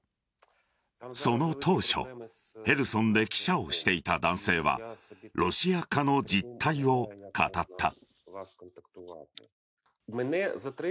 その当初ヘルソンで記者をしていた男性はロシア化の実態を語った。